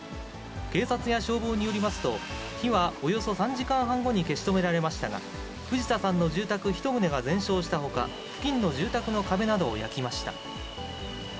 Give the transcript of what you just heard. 警察や消防によりますと、火はおよそ３時間半後に消し止められましたが、藤田さんの住宅１棟が全焼したほか、付近の住宅の壁などを焼きました。